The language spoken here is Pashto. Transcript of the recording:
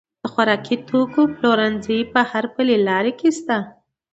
د خوراکي توکو پلورنځي په هر پلې لار کې شته.